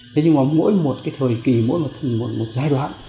thế nhưng mà mỗi một cái thời kỳ mỗi một giai đoạn